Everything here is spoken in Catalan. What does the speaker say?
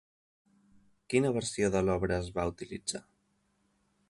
Quina versió de l'obra es va utilitzar?